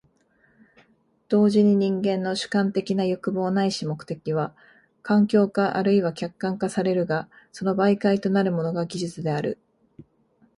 同時に人間の主観的な欲望ないし目的は環境化或いは客観化されるが、その媒介となるものが技術である。